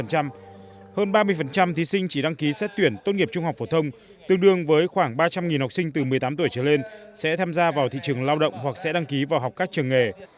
hơn ba mươi thí sinh chỉ đăng ký xét tuyển tốt nghiệp trung học phổ thông tương đương với khoảng ba trăm linh học sinh từ một mươi tám tuổi trở lên sẽ tham gia vào thị trường lao động hoặc sẽ đăng ký vào học các trường nghề